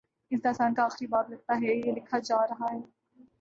اس داستان کا آخری باب، لگتا ہے کہ لکھا جا رہا ہے۔